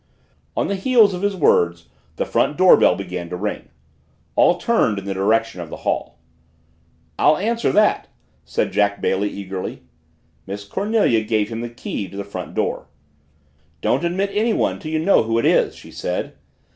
On the heels of his words the front door bell began to ring. All turned in the direction of the hall. "I'll answer that!" said Jack Bailey eagerly. Miss Cornelia gave him the key to the front door. "Don't admit anyone till you know who it is," she said.